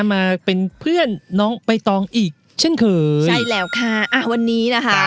มาเป็นเพื่อนน้องใบตองอีกเช่นเคยใช่แล้วค่ะอ่าวันนี้นะคะ